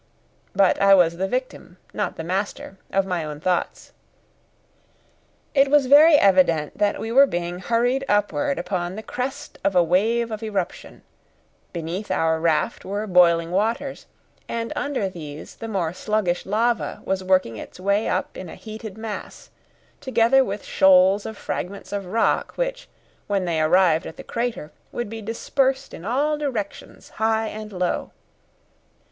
But I was the victim, not the master, of my own thoughts. It was very evident that we were being hurried upward upon the crest of a wave of eruption; beneath our raft were boiling waters, and under these the more sluggish lava was working its way up in a heated mass, together with shoals of fragments of rock which, when they arrived at the crater, would be dispersed in all directions high and low.